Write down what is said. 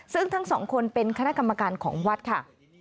ซึ่งทั้งสองคนเป็นคณะกรรมการของวัดค่ะ